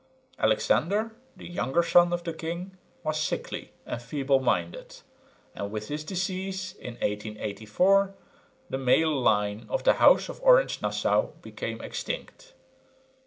Alexander, the younger son of the king, was sickly and feeble minded; and with his decease in 1884, the male line of the House of Orange Nassau became extinct.